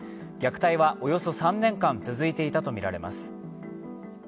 虐待はおよそ３年間、続いていたとみられます。